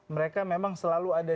mereka memang selalu ada